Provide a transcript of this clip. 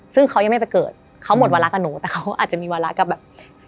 ซึ่งเขายังไม่ไปเกิดเขาหมดวาระกับหนูแต่เขาอาจจะมีวาระกับแบบ